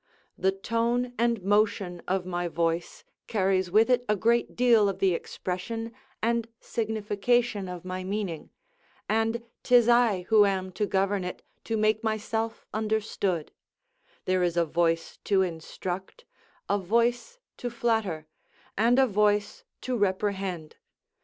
The tone and motion of my voice carries with it a great deal of the expression and signification of my meaning, and 'tis I who am to govern it, to make myself understood: there is a voice to instruct, a voice to flatter, and a voice to reprehend.